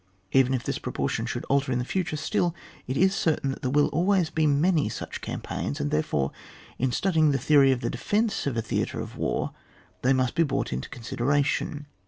Even if this proportion should alter in the future, still it is certain that there will always be many such campaigns; and, therefore, in studying the theory of the defence of a theatre of war, they must be brought into consideration.